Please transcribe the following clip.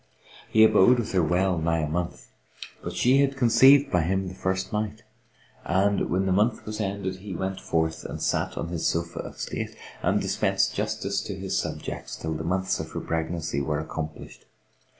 He abode with her well nigh a month but she had conceived by him the first night; and, when the month was ended, he went forth and sat on his sofa of state, and dispensed justice to his subjects, till the months of her pregnancy were accomplished.